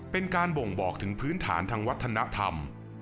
เป็นการบ่งบอกถึงพื้นฐานทางวัฒนธรรม